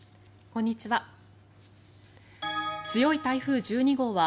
こんにちは。